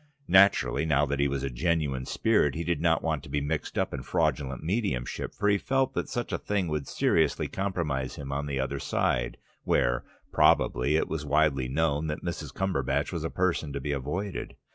Naturally, now that he was a genuine spirit, he did not want to be mixed up in fraudulent mediumship, for he felt that such a thing would seriously compromise him on the other side, where, probably, it was widely known that Mrs. Cumberbatch was a person to be avoided.